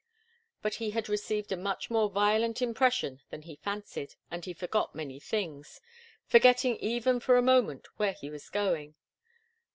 But he had received a much more violent impression than he fancied, and he forgot many things forgetting even for a moment where he was going.